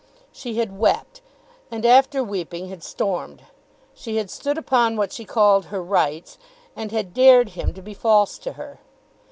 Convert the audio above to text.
She had wept, and after weeping had stormed. She had stood upon what she called her rights, and had dared him to be false to her.